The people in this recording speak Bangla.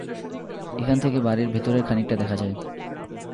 এখান থেকে বাড়ির ভেতরের খানিকটা দেখা যায়।